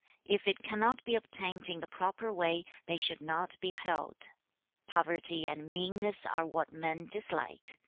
If it cannot be obtained in the proper way, they should not be held. Poverty and meanness are what men dislike.